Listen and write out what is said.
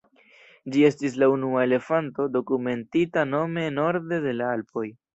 Ĝi estis la unua elefanto dokumentita nome norde de la Alpoj.